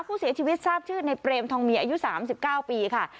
ผู้เสียชีวิตทราบชื่อในเปรมทองมีอายุ๓๙ปีค่ะ